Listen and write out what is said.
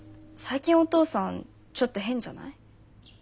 最近お父さんちょっと変じゃない？